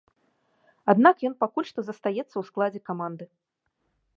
Аднак ён пакуль што застаецца ў складзе каманды.